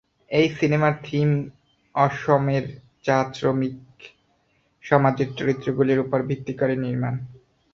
এই সিনেমার থিম অসমের চা শ্রমিক সমাজের চরিত্রগুলির উপর ভিত্তি করে নির্মাণ।